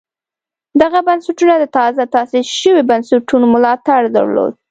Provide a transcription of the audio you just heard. دغه بنسټونه د تازه تاسیس شویو بنسټونو ملاتړ درلود